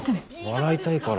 笑いたいから。